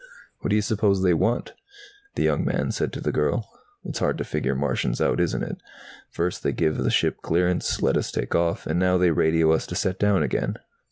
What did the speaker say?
"What do you suppose they want?" the young man said to the girl. "It's hard to figure Martians out, isn't it? First they give the ship clearance, let us take off, and now they radio us to set down again.